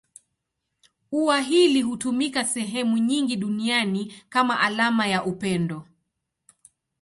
Ua hili hutumika sehemu nyingi duniani kama alama ya upendo.